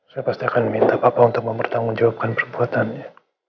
saya pasti akan minta papa untuk mempertanggung jawabkan perbuatannya